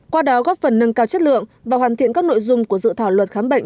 qua đó góp phần nâng cao chất lượng và hoàn thiện các nội dung của dự thảo luật khám bệnh